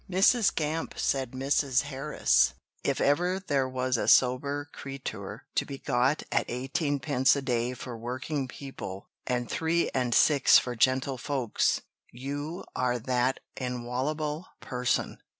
"'Mrs. Gamp,' said Mrs. Harris, 'if ever there was a sober creetur to be got at eighteen pence a day for working people, and three and six for gentlefolks, you are that inwallable person.'"